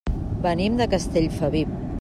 Venim de Castellfabib.